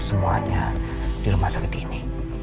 semuanya di rumah sakit ini